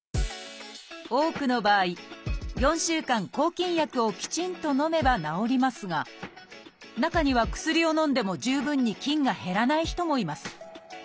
多くの場合４週間抗菌薬をきちんとのめば治りますが中には薬をのんでも十分に菌が減らない人もいます。